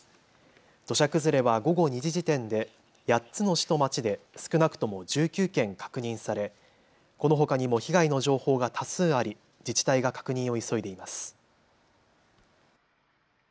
土砂崩れは午後２時時点で８つの市と町で少なくとも１９件確認され、このほかにも被害の情報が多数あり自治体が確認を急いでいます。